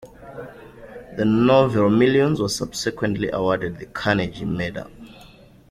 The novel "Millions" was subsequently awarded the Carnegie Medal.